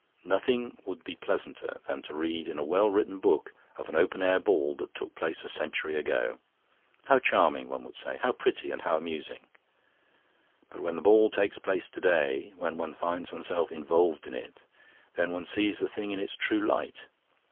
Nothing would be pleasanter than to read in a well written book of an open air ball that took place a century ago. How charming! one would say; how pretty and how amusing! But when the ball takes place to day, when one finds oneself involved in it, then one sees the thing in its true light.